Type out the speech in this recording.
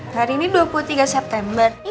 hari ini dua puluh tiga september